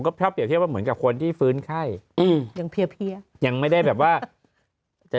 ก็ชอบเหมือนกับคนที่ฟื้นไข้อย่างเพียบยังไม่ได้แบบว่าจะ